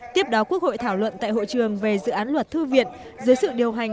tiếp đó quốc hội thảo luận tại hội trường về dự án luật thư viện dưới sự điều hành